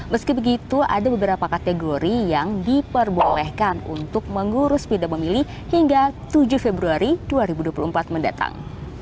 meski begitu ada beberapa kategori yang diperbolehkan untuk mengurus pindah memilih hingga tujuh februari dua ribu dua puluh empat mendatang